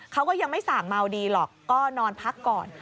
เขาก็ยังไม่สั่งเมาดีหรอกก็นอนพักก่อน